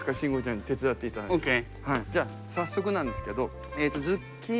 じゃあ早速なんですけどズッキーニ